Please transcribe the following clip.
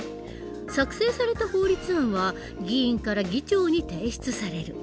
作成された法律案は議員から議長に提出される。